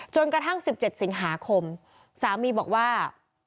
จนกระทั่ง๑๗สิงหาคมสามีบอกว่า